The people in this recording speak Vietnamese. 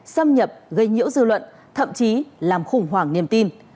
xâm nhập gây nhiễu dư luận thậm chí làm khủng hoảng niềm tin